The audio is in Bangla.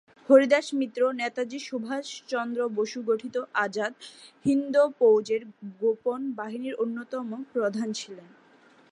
হরিদাস মিত্র নেতাজী সুভাষচন্দ্র বসু গঠিত আজাদ হিন্দ ফৌজের গোপন বাহিনীর অন্যতম প্রধান ছিলেন।